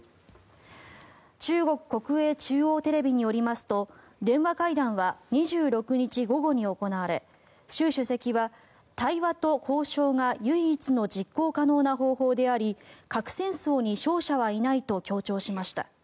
中国国営中央テレビによりますと電話会談は２６日午後に行われ習主席は、対話と交渉が唯一の実行可能な方法であり核戦争に勝者はいないと強調しました。